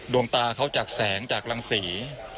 ดวงตาเขาจากแสงจากรังสี